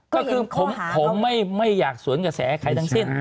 ก็คือผมไม่อยากสวนกระแสใครทั้งสิ้น